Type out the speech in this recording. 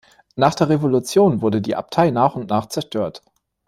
Nach der Revolution wurde die Abtei nach und nach zerstört.